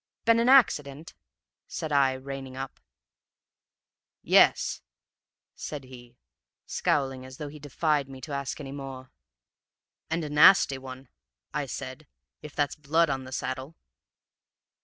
"'Been an accident?' said I, reining up. "'Yes,' said he, scowling as though he defied me to ask any more. "'And a nasty one,' I said, 'if that's blood on the saddle!'